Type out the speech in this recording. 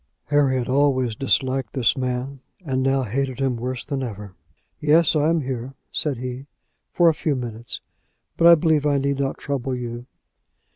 Harry had always disliked this man, and now hated him worse than ever. "Yes; I am here," said he, "for a few minutes; but I believe I need not trouble you."